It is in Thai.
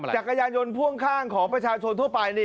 จักรยานยนต์พ่วงข้างของประชาชนทั่วไป